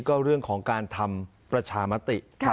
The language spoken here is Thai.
ก็เรื่องของการทำประชามติ